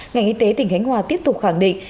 ngành y tế tỉnh khánh hòa tiếp tục khẳng định